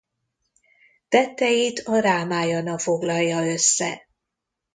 Tetteit a Rámájana foglalja össze.